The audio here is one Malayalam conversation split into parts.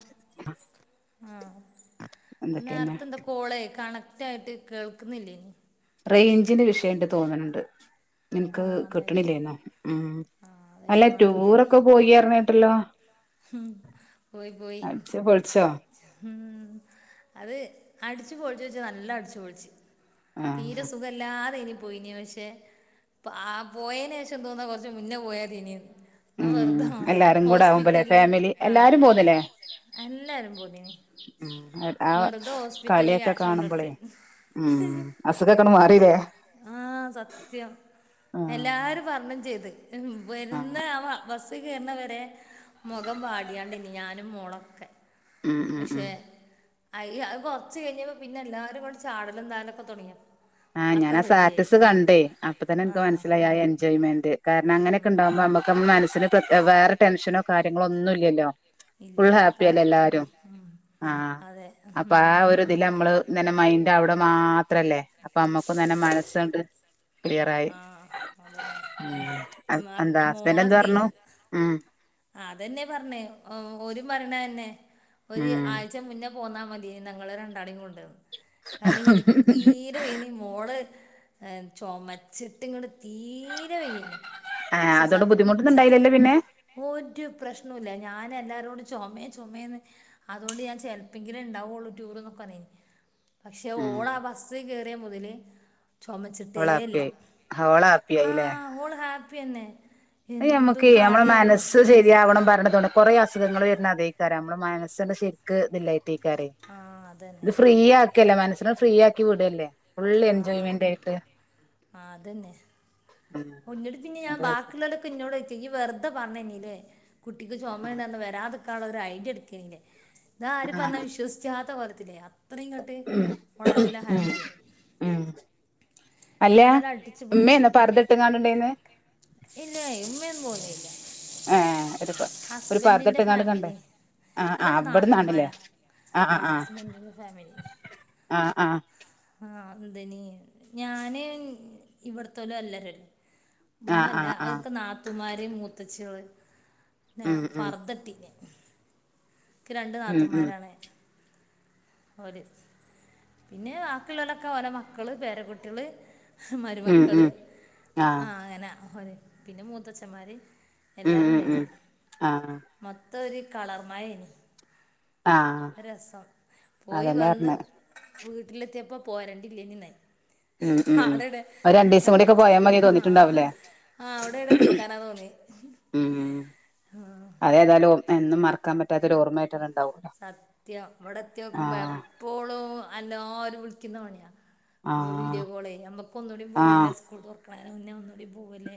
ആ [unintelligible] ആ അപ്പം നേരത്തെ എന്താ കോളായി കണക്റ്റ് ആയിട്ട് കേൾക്കുന്നില്ല ഇനി റേഞ്ചിന് വിഷയ തോന്നണണ്ട് നിനക്ക് ആഹ് അതായിരിക്കും കിട്ടണില്ലേെന്നോ ഉ ആഹ് അല്ലെ അതായിരിക്കും വേണെങ്കി ടൂറൊക്കെ പോയി ഇറഞ്ഞിട്ടല്ലോ ഉം പോയി പോയി അഛ പഠിച്ചോ ഉം അത് അടിച്ചു പളിച്ചു വെച്ച നല്ല അടിച്ചുപളിച്ചു തീരെ ആഹ് സുഖല്ലാതെ ഇനി പോയിന് പക്ഷെ ആ പോയതിന ശേഷം തോന്നാ കൊറച്ച മുന്നേ പോയാതി ഇനിയന്ന് ന വർത ഉം എല്ലാരും കൂടെ ആവുമ്പോലേ ഹോസ്പിറ്റല് ഫാമിലി ആഹ എല്ലാരും പോന്നില്ലേ എല്ലാരും പോതിീനി ഉം ആ കളിയൊക്കെ ക്യാഷ് കാണുമ്പോളേ കൊണ്ടോടുത്ത് ഉം അസുഖക്കണ് മാറില ആഹ സത്യം ആഹ് എല്ലാരും പറണം ചെയ്ത് വരുന്ന ആഹ് ആ ബസ് കേറുന്നവരെ മുഖം പാടിയണ്ട് ഇനി ഞാനും മോളൊക്കെ ഉം ഉം വസ ഉം [unintelligible] അ അത് കൊറച്ച് കഴിഞ്ഞപ്പോ പിന്നെ എല്ലാരും കൂടെ ചാടലും താലുംൊക്കെ തുങ്ങിയ ആഹ് ഞാ ആ സ്റ്റാറ്റസ് കണ്ടേ അപ്പ തന്നെ ആ എനിക്ക് മനസ്സിലായ എൻജോയ്മെന്റ് കാരണം അങ്ങനെയൊക്കെ ഉണ്ടാവകുമ്പോ നമ്മുക്ക്മ്മ മനസ്സിന് വേറെ ടെൻഷനോ കാര്യങ്ങളോ ഒന്നും ഇല്ലല്ലോ ഇല്ല കറക്റ്റ് ഉ അതെ [unintelligible] നന്ന മൈന്ഡ് അവിടെ മാത്രല്ലേ അപ്പൊ അമ്മക്കും നന്നെ മനസ്സുണ്ട് ക്ലിയറായി ആ അതന്നെ എന്താ മക്ക- ഹസ്ബൻറ് എന് പറഞ്ഞു ആം അതെന്നെ പറഞ്ഞേ ഒരു പറഞ്ഞ തന്നെ ഒരു ഉം ആഴ്ച മുന്ന പോന്നാൽ മതി ഞങ്ങൾ രണ്ടാടേ കൊണ്ട കാരണം എനിക്ക് തീരെ ഇ മോള് ചുമച്ചിട്ട് ഇങ്ങോട്ട തീരെ വെയനെ േ സ അല്ല പിന്നെ ഒരു പ്രശ്നല്ല ഞാൻ എല്ലാരോടും ചുമ ചുമയന്ന് അതുകൊണ്ട് ഞാൻ ചിലപ്പോങ്കില ഉണ്ടാവുള്ളൂ ടൂർന്നൊക്കെ അന് പക്ഷെ ഉം ഓട ബസ് കേയറിയ മുതല് ചുമച്ചിട്ടേ ഓള് ഇല്ല ഹാപ്പിയായി ഓള് ഹാപ്പിയായില്ലേ ആഹ ഓൾ ഹാപ്പിന്നെ അ നമുക്ക നമ്മള മാനസ്സ് ഇത് ശരിയാവണം പറരണ തന്ന കൊറെ അസുഖങ്ങള് വരുന്നത് അതേക്കാരം നമ്മള് മനസ്സണ്ട് ശരിക്ക് ഇല്ലാ [unintelligible] ആ ഇത് അതന്നെ ഫ്രീ ആക്കല്ല മനസ്സിനെ ഫ്രീ ആക്കി വിടല്ലേ ഫുള്ള് ആ എൻജോയ്മെന്റ് ആയിട്ട് ആ അതന്നെ ഉം [unintelligible] പിന്നെ ഞാൻ അത് ബാക്കിയുള്ളോരൊക്കെ ഇന്നോട് [unintelligible] ഈ വെറുതെ പറഞ്ഞി നീല്ലേ കുട്ടിക്ക് ആ ചൊമണ്ടാർന്ന് വെരാതിക്കാള്ള ഒരു ഐഡിയ എടുക്ക നിലെ ഇതാ ആരും ആ പറഞ്ഞാ വിശ്വസിച്ചാത്ത കോലത്തില്ലേ അത്രയും ഇങ്ങാട്ട് ഉം അവള് നല്ല ഉം ഹാപ്പിആയി ഉം അല്ല ഏതായാലും ഉമ്മേന്നോ അടിച്ച്പൊളിച്ചിട്ടോ പർദ്ദട്ട്ങ്ങാണ്ട്ണ്ടേന്ന് ഇല്ല ഉമ്മയൊന്നും പോനില്ല ഏഹ് ഒരു പ ഒരു ഹസ്ബെന്റിന്റെ പർദ്ദട്ട്ങ്ങാണ്ട് കണ്ടേ ഫാമിലി ആഹ് ആഹ് അതൊക്കെ ഇവട്ന്നാണ്ല്ലേ നാത്തുമാരാ ആഹ് ഹസ്ബന്റിന്റെ ഫാമിലി ആഹ് ആഹ് ആഹ് എന്തിനി ഞാന് ഇവടത്തെ [unintelligible] ആഹ് ഉമ്മല്ല ആഹ് ആഹ് അതൊക്കെ നാത്തുമാര് മൂത്തച്ചികള് ഉം ഉം ഫർദട്ടിന് ക്ക് രണ്ട് ഉം ഉം നാത്തുമാരാണ് ഓര് പിന്നെ ബാക്കിയുള്ളവലൊക്കെ ഓലെ മക്കള് പേരകുട്ടിള് ഉം മരുമക്കള് ഉം ആഹ് അങ്ങനെ ഓര് പിന്നെ മൂത്തച്ഛന്മാര് ഉം എല്ലാരും ഉം ഉണ്ടാനി ഉം ആഹ് മൊത്തം ഒര് കളർമയംനി ആഹ് ഒരേസം പോയി അതന്നെ വന്ന് പർഞ്ഞെ വീട്ടിലെത്തിയപ്പോ പോരണ്ടില്ലേനിയായി ഉം ഉം ആടടെ ഒരു രണ്ടീസം നമ്മ കൂടിയൊക്കെ പോയാ മതി ആഹ് തോന്നിട്ടുണ്ടാവൂലേ ആഹ് അവടെ എടെ നിക്കാനാ തോന്നിയെ ഉം ആഹ് അതേതായാലും എന്നും മറക്കൻ പറ്റാത്ത ഒര് ഓർമ്മയായിട്ട് അത് ഇണ്ടാവും സത്യം ഇവടെത്തി നോക്കുമ്പോ എപ്പോളും എല്ലാരും വിളിക്കുന്നപണിയാ വി ആഹ് വീഡിയോ കോളെ നമ്മുക്ക് ഒന്നൂടി പോവുല്ലേ ആഹ് സ്കൂള് തൊറക്കണേന് മുന്നെ ഒന്നുകൂടി പോവുല്ലേ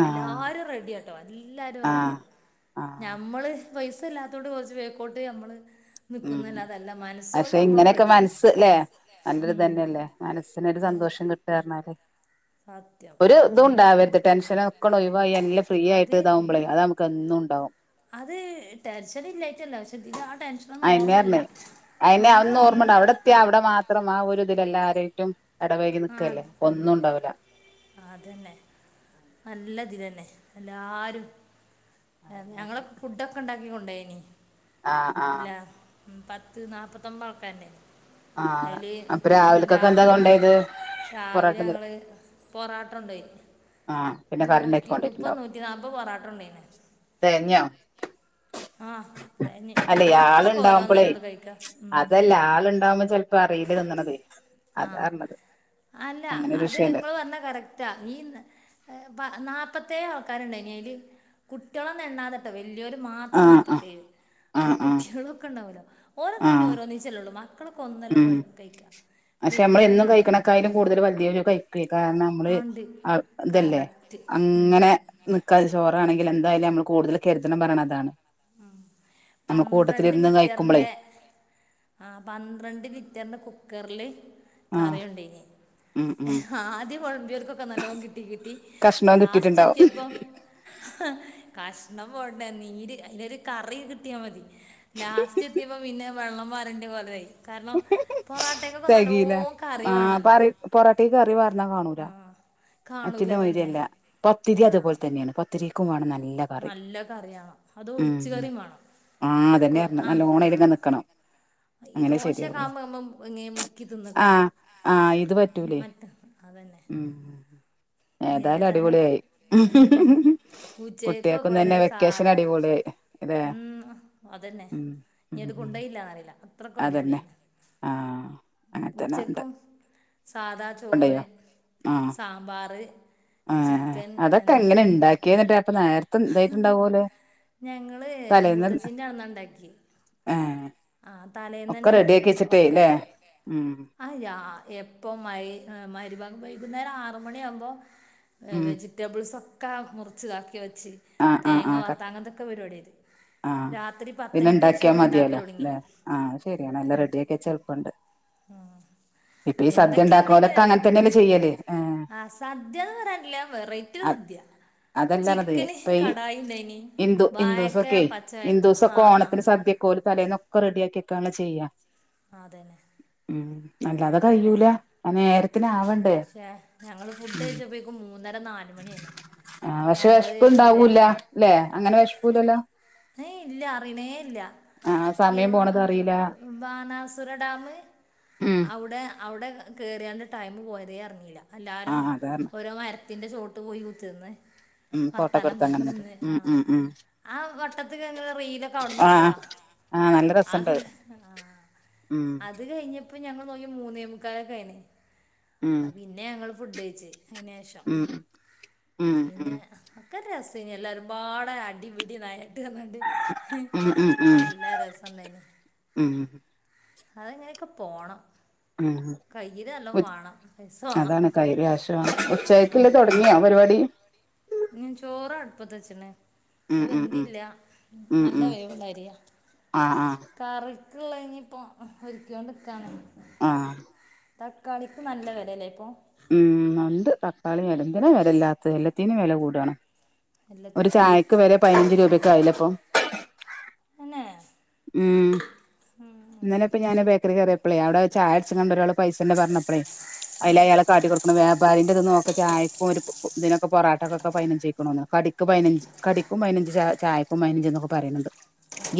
ആഹ് എല്ലാരും റെഡിയാട്ടോ എല്ലാരും ആഹ് റെഡിയാ ആഹ് ഞമ്മള് പൈസ ഇല്ലാത്തോണ്ട് കൊറച്ച് വേക്കോട്ട് ഞമ്മള് ഉം നിക്കുന്നല്ലാതെ അല്ല മനസ്സോണ്ട് നമ്മളും റെഡിയാണ് നല്ലൊരിത് ഉം തന്നെയല്ലേ മനസ്സിനൊരു സന്തോഷം കിട്ടാറഞ്ഞാല് സത്യം ഒര് ഇതും ഇനിയിപ്പോ ഒണ്ടാവരുത് ടെൻഷനും ഒക്ക് ഒയിവായി എല്ലാം ഫ്രീ ആയിട്ട് അത് ഇതാവുമ്പളേ അത നമു ക്കന്നുണ്ടാവും അത് ടെൻഷൻ ഇല്ലായിട്ടല്ല പക്ഷേ ആ ടെൻ അയിന്ർന്ന് അയിന് അന്ന് ഓർമ്മണ്ട ഓർമ്മല്ല അവടെ എത്യ അവടെ മാത്രം ആ ഒരു ഇതില് എല്ലാരിട്ടും എടപയികി ആ നിക്കല്ലേ ഒന്നും ഒണ്ടാവുല്ല അതന്നെ നല്ലതില്തന്നെ എല്ലാരും ഞങ്ങളൊക്കെ ഫുഡ് ഒക്കെ ഒണ്ടാക്കിക്കൊണ്ടൊയിനി ആഹ് ആഹ് അല്ലാ പത്ത് നാപ്പത്തൊൻമ്പ ആൾക്കാര് ഇണ്ടായിനി ആഹ് അപ്പൊ രാവിലക്കൊക്കെ എന്താ കൊണ്ടെയത് രാവിലെ ഞങ്ങള് പൊറാട്ര കൊണ്ടോയി ആഹ് പിന്നെ കറിണ്ടാക്കി നൂറ്റിനുപ്പ കൊണ്ടോയിട്ടുണ്ടാവും നൂറ്റിനാപ്പ പൊറാട്ര കൊണ്ടോയിന് തികഞ്ഞോ ആഹ് തെയഞ്ഞ് അല്ലെ മക്കളൊക്കെ ആളുണ്ടാവുമ്പളേ ഓരോന്നല്ലള്ളൂ കയിക്ക ഉം ഇതാവുമ്പോ ചെലപ്പ അറിയില്ല തിന്നണത് അതാ ആഹ് പറഞ്ഞത് അല്ല അങ്ങനെ ഒരു അത് വിഷയണ്ട് നിങ്ങള് പറഞ്ഞെ കറ റ്റാ ഈ നാപത്തേഴ് ആൾക്കാര് ഇണ്ടായിനി അതില് കുട്ടികളൊന്ന് എണ്ണാതെ വല്യോരു ആ മാത്രം ആ നാപത്തേഴ് ആ അപ്പ ഈ ആ കുട്ടികളൊക്കെ ഒണ്ടാവല്ലോ ഓരക്കെ ആ പിന്നെ ഓരോന്നീച്ചല്ലേ ഒള്ളൂ മക്കളക്കെ ഒന്നല്ലേള്ളൂ ഉം കയിക്ക പക്ഷെ നമ്മള് എന്നും കയിക്കണേക്കായാലും കൂടുതല് വല്യോര് കയിക്കെ കാരണം നമ്മള് ആ ഉണ്ട് അ ഇതല്ലേ കറക്റ്റ് ഉം അങ്ങനെ നിക്ക ചോറാണെങ്കില് എന്തായാലും നമ്മള് കൂടുതല് കെരുതണം പറയണ അതാണ് ഉം നമ്മൾ പന്ത്രണ്ട് കൂട്ടത്തിലിരുന്ന് കഴിക്കുമ്പളേ ലിറ്ററിന്റെ ആഹ് പന്ത്രണ്ട് ലിറ്ററിന്റെ കുക്കറില് ആ കറി കൊണ്ടേനി ഉം ഉം ആദ്യ വെളമ്പിയോർകക്കെ നല്ലോ കിട്ടി കിട്ടി കഷ്ണവും ലാസ്റ്റ് കിട്ടിട്ടുണ്ടാവും എത്തിയപ്പം കഷ്ണം പോട്ടെ നീര് അതിലൊരു കറി കിട്ടിയാൽ മതി ലാസ്റ്റ് എത്തിയപ്പോ പിന്നെ വെള്ളം പാരേണ്ടി പോലെ അയി കാരണം പൊറാട്ടേക്കൊക്കെ നല്ലോ തെകീല ആ കറിവേണല്ലോ പറ പൊറോട്ടക്ക് കറി പാറന്നാ കാണൂല കാണൂല മറ്റുള്ള തന്നെ മരിയല്ല പത്തിരി ആ അതുപോലെ തന്നെയാണ് പ പത്തിക്കുമാണ് നല്ല കറി നല്ല കറി വേണം അത് ഒഴിച്ച് ഉം കറിയും വേണം ആഹ് അതന്നെ കൊ- ആ നല്ലഓണ അതില്ലങ്ങെ ആ നൽക്കണം ഈ ദോശക്കുമ്പോൾ നമ്മ ഇങ്ങ മുക്കി തിന്നൊക്കെ ആ ചെയ്യാം ആ ഇത് പറ്റൂലേ മറ്റ അതന്നെ ഉം ഉം ഏതാലും ഉം ഉച്ചക്കോ കുട്ടികൾക്കും പോര തന്നെ വെക്കേഷൻ സാധാ അടിപൊളിയായി അതെ ഉം അതന്നെ ഉം ഏത് ഉം കൊണ്ടോയില്ലാന്ന്റിയില്ല അത്രക്കും അതന്നെ അടിപെളിയാന്ന് ആ അങ്ങനത്തന്നെ ഉണ്ട് ഉച്ചക്കും സാധാ ചോറ് ഉണ്ടയോ സാമ്പാറ് ആഹ് അതൊക്കെ എങ്ങനെ ഇ ണ്ടാക്കിയന്നിട്ടെ അപ്പൊ നേരത്തെ ഇദ യിട്ടുണ്ടാവോലെ ഞങ്ങള് മൂത്തചിന്റെ അവിട്ന്ന ഉണ്ടാക്കി ആഹ് ആ തലേന്ന് തന്നെ ഒക്കെ ല്ലേ ഉം അ രാ എപ്പൊ മ മരിബാഗ് വൈകുന്നേരം ആറ് മണി ആകുമ്പോ ഉം വെജിറ്റബിൾസൊക്കെ മുറച്ച്താക്കി വെച്ച് ആ ആ ആ തേങ്ങ കട്ട് വർത്താങ്ങതൊക്കെ പരിപാടിയത് ആ രാത്രി പത്തണിക്ക് ശേഷമാണ് ഉണ്ടാക്കൽ തുടുങ്ങിയ ആഹ് ശരിയാണ് എല്ലാം റെഡി ആക്കി വെച്ച എളുപ്പണ്ട് ഇപ്പൊ ഈ [inaudible] സദ്യ എന്തൊക്കെയുണ്ട ഇനിന്ന് ഉണ്ടാക്കണോലൊക്കെ അറിയോ അങ്ങനെ തന്നെയല്ലേ ചെയ്യല് ആഹ് ആ സദ്യന്ന് പറയാനില്ല വെറൈറ്റിയൊരു സദ്യ അതെല്ലാ പറഞ്ഞത് ചിക്കന് ഇപ്പൊ ഈ കടായി ഉണ്ടായിനി ഹിന്ദു വായക്ക ഹിന്ദൂസൊക്കെ പച്ച ആ ഹിന്ദുസൊക്കെ ആ ഓണത്തിന് സദ്യ ഓൽ തലേന്നക്കെ റെഡിയാക്കിക്കെയാണലോ ചെയ്യാം ആ, അതന്നെ ഉം അല്ലാതെ കഴൂല അ നേരത്തിന് ആവ പക്ഷെ ഞങ്ങള് ഫുഡ് കഴിച്ചപ്പോക്കു മൂന്നര ന ആ പക്ഷെ വിഷപ് മറ്റേ ഇണ്ടാവൂല അല്ലെ അങ്ങനെ വിഷപ്പല്ലല്ലോ ഏ ഇല്ല അറിയണേ ഇല്ല ആഹ് സമയം പോണത് അറിയില്ല ബാനാസുര ഡാം ഉം അവിടെ അവിടെ കേറിയാണ്ട് ടൈമ് പോയതേ അറിഞ്ഞില്ല എല്ലാവാരും ആഹ് അത് കാരണം ഓരോ മര ത്തിന്റെ ചോട്ട് പോയി കുത്തിർന്ന് ഉം ഫോട്ടോക്കെ വർത്താനം എടുത്ത് അങ്ങനെ നിന്നിട്ട് പറഞ്ഞന്ന് ഉം ആഹ് ഉം ഉം ആ പട്ടത്തക്ക റീലൊക്കെ അവിടന്ന് ആഹ് എടുത്തതാ ആഹ് നല്ല അതൊ രസണ്ട് ഉം അത് കഴിഞ്ഞ അപ്പൊ ഞങ്ങൾ നോക്കി മൂന്നേമക്കാലൊക്കെയിന് ഉം പിന്നെ ഞങ്ങള് ഫുഡ് കഴ്ച്ച് അയിന് ശേഷം ഉം ഉം പിന്നെ ഉം ഒക്കെ രസെനു എല്ലാവരുപാടെ അടിപിടി ന ണ്ട് ഉം ഉം ഉം നല്ല രസണ്ടായിന്നു ഉം അതെങ്ങനെയൊക്കെ പോണം ഉം കയ്യിൽ നല്ലോണം വേണം പൈസ വേണം അതാണ് കൈര് ആശം ഉച്ചായക്കില്ലേ തുടങ്ങിയാ പരിപാടി ഞൻ ചോറ് അടുപ്പത്തെ വച്ചനേ അത് ഉം ഉം ഉം വെന്തില്ല ഉം നല്ല ഉം വേവുള്ളരിയാ ആഹ് ആഹ് കറിക്കുള്ള ഇനി ഇപ്പൊ ഒരുക്കൊണ്ട്ക്കാണ് ആഹ് തക്കാളിക്ക് നല്ല വിലയല്ലേ ഇപ്പോൾ ഉം നണ്ട് തക്കാളി വില ഇങ്ങതിനെ വിലയില്ലാത്തത് എല്ലാത്തിനും വില കൂടയാണ് ഒരു എല്ലാത്തിനും ഉണ്ട് ചായക്ക് വരെ പതിനഞ്ച് രൂപക്ക ആയില്ല അപ്പൊ അന്നെ ഉം ഇന്നലെ ഇപ്പ ഞാന് ശരി ബേക്കറി കറിയ പ്പളേ അടൊ ചായകുടിചണ കണ്ട ഒരാൾ പൈസന്റെ പറഞ്ഞപ്പളേ ആ അയിൽ അയാളെ കടി അ വ്യാപാരിന്റെ ഇത് നോക്ക ചായക്കും ഒരു ഇതിനൊക്കെ പൊറട്ടക്കൊക്കെ പതിനജ് ചെയ്ക്കണോന്ന് കടിക്ക് പതിനഞ്ച് കടിക്കും പതിനഞ്ച് ച ചായക്കും പതിനഞ്ച് എന്നൊക്കെ പറയുന്നുണ്ട്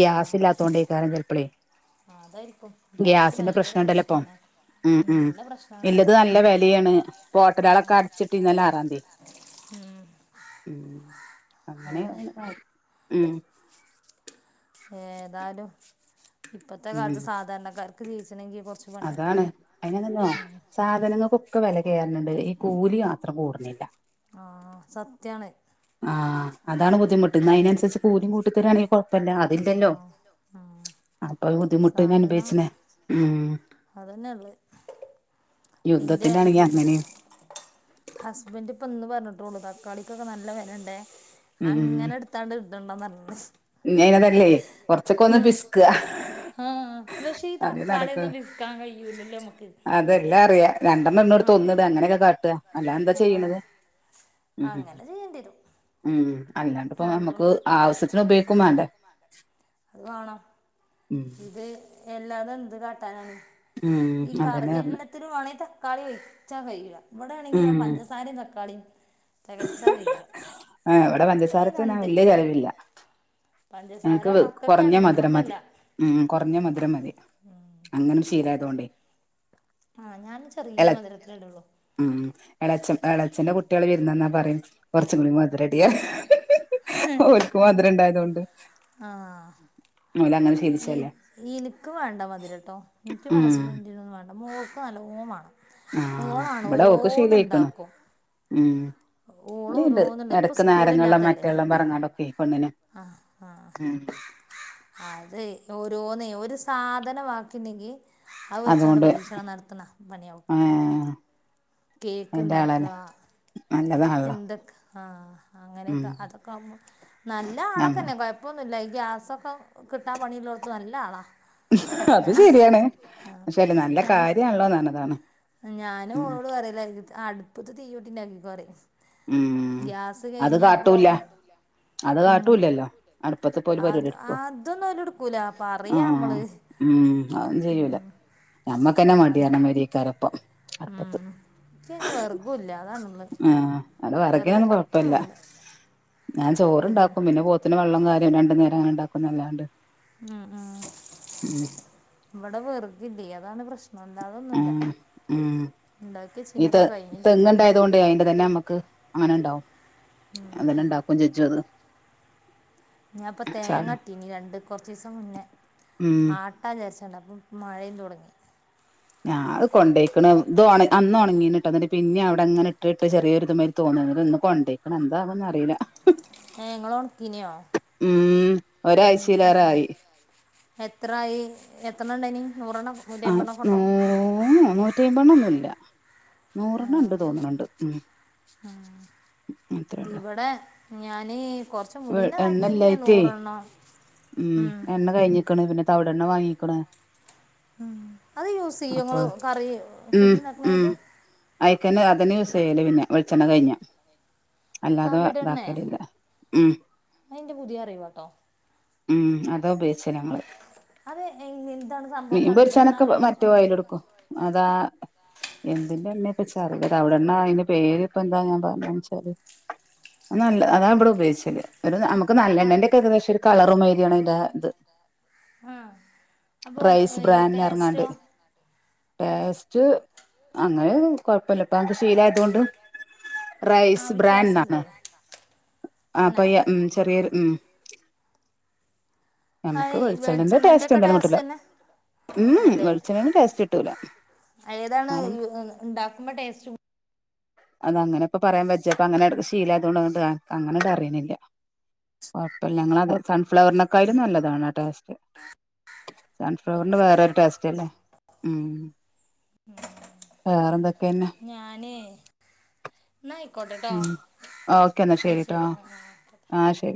ഗ്യാസ് ഇല്ലാ തോണ്ടയ്കാരം ചെലപ്പളേ ആഹ് അതായിരിക്കും ഗ്യാസ് ഗ്യാസിന്റെ ഭയങ്കര പ്രശ്നം ഉണ്ടല്ലോ ഇപ്പൊ പ്രശ്നല്ലേ ഉം ഉം ഇല്ലത് നല്ല വെലിയാണ് ഹോട്ടലാളൊക്കെ അടിച്ചിട്ടീന്നല്ലോ ആറാം തിയതി ഉം അങ്ങനെ അതന്നെ ആഹ് ഉം. ഏതാലും ഇപ്പത്തെ ഉം കാലത്ത് സാധാരണക്കാർക്ക് ജീവിച്ചണെങ്കി കൊർച്ച് അതാണ് അയിനതന്നോ സാധനങ്ങക്കൊക്കെ വില കയറുന്നുുണ്ട് ഈ കൂലി മാത്രം കൂടണില്ല ആഹ് സത്യാണ് ആഹ് അതാണ് ബുദ്ധിമുട്ട് ന്നാഅയ്നനുസരിച്ച് കൂലിം കൂട്ടിത്തരാണെങ്കി കൊഴ്പ്പല്ല ആ അതില്ലല്ലോ ഉം. അപ്പൊ ബുദ്ധിമുട്ട്ന അനുഭവിച്ചനെ ഉം അതന്നെള്ളത് യുദ്ധത്തിന്റാണെങ്കി അങ്ങനിം ഹസ്ബന്റ് ഇപ്പ ഇന്ന് പറഞ്ഞിട്ടുള്ളു തക്കാളിക്കൊക്കെ നല്ല വെലണ്ടേ അങ്ങനെടുത്ത് ഇത്താണ്ട് ഇത്ണ്ടന്ന് പർഞ്ഞ് ഇനി അയ്നതല്ലേ കൊറച്ചൊക്കെ ഒന്ന് പിസ്ക്കാ ആഹ് പക്ഷേ ഈ തക്കാളി ഒന്നും പിഷ്ക്കാൻ കഴിയൂലല്ലോ നമ്മക്ക് രണ്ടണ്ണംട്ണോട്ത് ഒന്ന്ടാ അങ്ങനെയൊക്കെ കാട്ടാ അല്ലാ എന്താ ചെയ്യണത് ആ ഉം അങ്ങനെ ചെയ്യേണ്ടി വരും ഉം അല്ലാണ്ട്പ്പൊ ഹാൻഡ്ലൂം നമ്മക്ക് ആവശ്യത്തിന് ഉപയോഗിക്കും മാണ്ടേ അത് വാണം ഇത് എല്ലാതന്ത് കാട്ടാനാണ് ഈ ഉം കറി അതന്നെ പറഞ്ഞെ എല്ലത്തിനും വാണം തക്കാളിയേയ് ച്ചാ കയ്യൂല ഇവിടെ ആണെങ്കിലോ ഉം പഞ്ചസാരിം തക്കാളീം തെകച്ചാ തെയ്യൂലാ ആഹ് ഇവിടെ ഈ പഞ്ചസാരക്ക് ഞാൻ രണ്ട് വല്യ ചെലവില്ല പഞ്ചസാര മക്ക കൊർഞ്ഞ മധുരം മതി ഉം കൊർഞ്ഞ മധുരം മതി അങ്ങനെ ശീലായതോണ്ടേയ് ആഹ് ഞാനും ചെറിയ മധുരത്തിലെ ഇടൊള്ളു ഉം എളച്ചൻ എളച്ചന്റെ കുട്ടികൾ വിര്ന്നന്നാ പറയും കൊർച്ചും കൂടി മധു രടീ അവർക്ക് മധുര ഇണ്ടായതൊണ്ട് ആ ഈ ഇനിക്ക് വേണ്ട മധുരട്ടോ എനിക്ക് ഉം ഹസ്ബന്റിനൊന്നും വേണ്ട മോക്ക് നല്ലോം വാണം ആഹ് ഓളാണ് ഇവിടെ ഓക്ക് ശീലായിക്കണ് ഓരോന്ന്ണ്ടാക്കും ഉം ഇവടീണ്ട് ഓരോന്നുണ്ട് ഇപ്പം എടക്ക് നാരങ്ങള്ളും സ്കൂളില്ലാത്തല്ലേ മറ്റെള്ളം പറങ്ങാണ്ടൊക്കെ പെണ്ണിന് ആഹ് ഉം അഹ് അതെ ഓരോന്ന് ഒരു സാധനം ബാക്കിണ്ടെങ്കി അത് വെച്ചാണ്ട് അതുകൊണ്ട് പരീക്ഷണം നടത്ത്ണ പണിയാ ഓൾക്ക് ഏഹ് അയിന്റെ ആളന്നെ കേക്ക്ണ്ടാക്കാ നല്ലതാണല്ലോ എന്തൊക്ക ആഹ് ഉം അങ്ങനൊക്കെ അതൊക്കെ ആവുമ്പോ നല്ല നമ്മ ആളൊക്കെന്നെ കൊഴ് ഴ്പ്പൊന്നുംല്ല ഈ ഗ്യാസൊക്കെ കിട്ടാൻ പണിുള്ളള്ളോടത്തത്ത് നല്ല ആളാ അത് ശരിയാണ് പക്ഷേ അല്ല നല്ല കാര്യണല്ലോന്നർഞ്ഞതാണ് ഞാനു ഓളോട് പറലാ അടുപ്പത്ത് തീയൂട്ടിണ്ടാക്കിക്കോ പറിം ഉം ഗ്യാസ് അത് കഴിഞ്ഞാപ്പൊ കാട്ടൂല്ല കിട്ടൂല അത് ഉം കാട്ടൂല്ലല്ലോ അടുപ്പത്ത്പ്പോ ഓല് അത് പരിപാടി എടുക്കോ അതൊന്നും ഓല്ടുക്കൂല പറയാ ആഹ് നമ്മള് ഉം അതന്നും ചെയ്യൂല ഞമ്മക്കന്നെ അത് മടിയാണ് മൊരിക്കാരപ്പം അടുപ്പത്ത് ഉം ഇച്ചയ്ന് വെർഗുല്ല അതാണുള്ളത് ആഹ് അത് വെർഗ് വെറകിനൊന്നും ഒറ്റ കൊഴ്പ്പില്ല പണില്ല ഞാൻ ചോറ്ണ്ടാക്കും പിന്നെ പോത്തിന് വെള്ളം കാര്യം രണ്ടു നേരം അങ്ങനെണ്ടാക്കുന്നല്ലാണ്ട് ഉം ഉം ഇവിടെ വെർകില്ലേയ് അതാണ് പ്രശ്നം നനന്നാവൊന്നുല്ല ആഹ് ഉം ഉണ്ടാക്കി വെച്ചീന്നപ്പ കഴിഞ്ഞ് ചെയ്ത് തുകൊണ്ട് അതിന്റെ തന്നെ നമ്മക്ക് അങ്ങനെണ്ടാവും അന്നെ ഉണ്ടാക്കും ചെച്ചും അത് ഞാപ്പ തേങ്ങട്ടീനി രണ്ട് കൊർച്ചീസം മുന്നേ ഉം ആട്ട് ട്ടാ വിചാരിച്ചാണ്ട് അപ്പം മഴയും തൊടങ്ങി ഞങ്ങള് കൊണ്ടേയ്ക്ക്ണ് ഇത് ഒണ അന്ന് ഒണങ്ങീന്ന്ട്ടാ ന്നിട്ട് പിന്നെ അവിടെങ്ങനെ ഇട്ട്ട്ട് ചെറിയരു ഇത് മ്മ [unintelligible] ഇന്ന് കൊണ്ടേയ്ക്ക്ണ് എന്താവുന്ന് അറിയില്ല ഏഹ് ഇങ്ങള് ഒണക്കീനിയോ ഉം ഉം എഹ് ഒരാരാഴ്ചയിലേറൊയി എത്രായി എത്രണ്ണംനി നൂറെണ്ണം ആഹ് നൂറ്റിഅയ്മ്പെണ്ണൊക്കെ നൂ ഉണ്ടോ നൂറ്റിമ്പെണ്ണ ഒന്നുമല്ല ആ ആഹ് അത്രേള്ളൂ ഇവിടെ ഞാന്നെ കൊറച്ചുമുന്ന ആക്കിന എണ്ണല്ലായിറ്റേ നൂറെണ്ണോ ഉം എണ്ണ കഴിഞ്ഞിക്കണ് പിന്നെ തവിടെ എണ്ണ വാങ്ങിക്കണ് മ് അത് യൂസ് ചെയ്യുവൊങ്ങള് കറി ഫുഡ്ണ്ടാക്കണത് അയക്കന് അതിന് സെയില് പിന്നെ വെളിച്ചെണ്ണ കഴിഞ്ഞ അല്ലാതെ തവിടെണേ ഇതാക്കലില്ല ഉം അതെന്റെ പുതിയ അറിവട്ടോ ഉം അതോ ഉപയോഗിച്ച ഞങ്ങള് അത് എന്താണ് സംഭവം മീൻ തവിടെണ്ണ പൊരിച്ചാനൊക്കെ അറിയാൻ മറ്റോ ഓയില് എടുക്കും അതാ എന്തിന്റെ എണ്ണ ഇപ്പ ചറ തവിടെണ്ണ അതിന്റെ പേര് ഇപ്പൊ എന്താ ഞാൻ പറഞ്ഞെന്ന് വെച്ചാല് അത് നല്ല അതാ ഇവിടെ ഉപയോഗിച്ചല് ഒരു നമുക്ക് നല്ല ആഹ് എണ്ണന്റെ ഒക്കെ ഏകദേശം ഒരു കളറ തിയണേ ഇതാ ഇത് ആഹ് അപ്പൊ റൈസ് ഈ ബ്രാൻഡ് എറങ്ങാണ്ട് ടേസ്റ്റോ പേസ്റ്റ് അങ്ങനെന്നും കൊഴപ്പില്ല ഇപ്പ അങ്ങക്ക് ശീല ആയതൊണ്ട് ആ റൈസ് ബ്രാൻഡണ് വ്യത്യാസല്ലേ ആ അന്നെ പയ്യ ഉമ് ചെറിയൊരു ഉമ് നമുക്ക് ഹായ് വെളിച്ചെണ്ണന്റെ ടേസ്റ്റ് വെളിച്ചെണേന്റെക്കെ എന്തായാലും ടെസ്റ്റ് കിട്ടൂല തന്നെ ഉം അല്ലെ വെളിച്ചെണ്ണന്റെ ടേസ്റ്റ് കിട്ടൂല ഏതാണ് എന്നാലും ഉ ഉണ്ടാക്കുമ്പോ ടേസ്റ്റ് [unintelligible] അത അങ്ങനെ ഇപ്പ പറയാൻ പറ്റപ്പോ അങ്ങനെശീലായതോണ്ട് അങ്ങനെന്ന് അറിയുന്നില്ല കൊഴപ്പല്ല ഞങ്ങളതെ സൺഫ്ലവറിനൊക്കൊയിലും നല്ലതാണ് ആ ടേസ്റ്റ് സൺഫ്ലവറിന്റെ വേറൊരു ടേസ്റ്റ് അല്ലേ ഉമ് വേറെന്തൊക്കെന്നെ ഞാനെ എന്ന ആയിക്കോട്ടെട്ടോ ഉം ഓക്കെ എന്നാ ആഹ് ശരിട്ടോ ശരി ആ.. ട്ടെ ആഹ് ശരി